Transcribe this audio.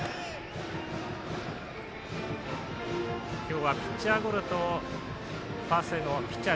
今日はピッチャーゴロとファーストへのピッチャー